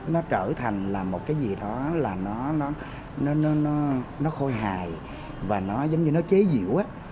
nó trở thành một cái gì đó là nó khôi hài và nó giống như nó chế diễu á